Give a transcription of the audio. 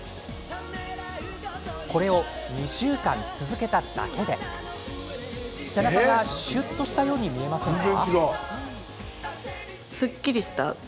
これを２週間続けただけで背中が、しゅっとしたように見えませんか？